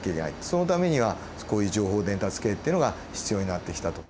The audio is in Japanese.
そのためにはこういう情報伝達系っていうのが必要になってきたと。